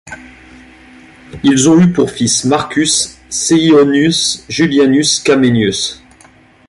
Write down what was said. Ils ont eu pour fils Marcus Ceionius Julianus Camenius.